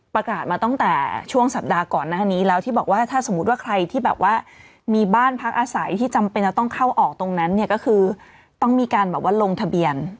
ประกาศมาตั้งแต่ช่วงสัปดาห์ก่อนหน้านี้แล้วที่บอกว่าถ้าสมมุติว่าใครที่แบบว่ามีบ้านพักอาศัยที่จำเป็นจะต้องเข้าออกตรงนั้นเนี่ยก็คือต้องมีการแบบว่าลงทะเบียน